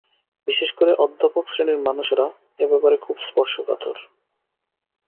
বিশেষ করে অধ্যাপক শ্রেণীর মানুষরা এ ব্যাপারে খুব স্পর্শকাতর।